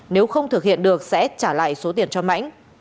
nếu không thực hiện được sẽ trả lại số tiền cho mãnh